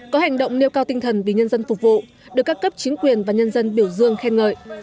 có hành động nêu cao tinh thần vì nhân dân phục vụ được các cấp chính quyền và nhân dân biểu dương khen ngợi